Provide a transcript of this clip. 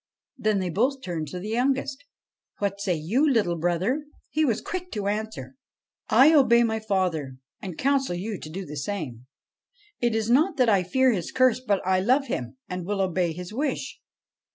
Then they both turned to the youngest. ' What say you, little brother ?' He was quick to answer :' I obey my father, and counsel you to do the same. It is not that I fear his curse, but I love him, and will obey his wish.'